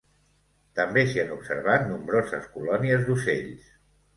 També s'hi han observat nombroses colònies d'ocells.